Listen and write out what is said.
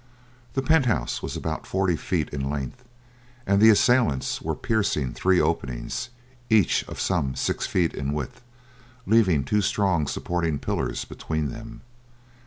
The penthouse was about forty feet in length, and the assailants were piercing three openings, each of some six feet in width, leaving two strong supporting pillars between them.